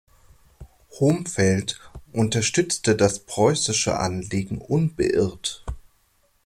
Homfeld unterstützte das preußische Anliegen unbeirrt.